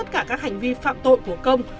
các hành vi phạm tội của công